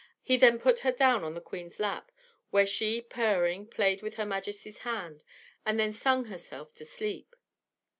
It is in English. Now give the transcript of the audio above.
He then put her down on the queen's lap, where she, purring, played with her Majesty's hand, and then sung herself to sleep.